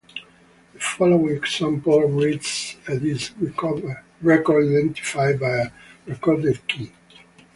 The following example reads a disk record identified by a "recorded key".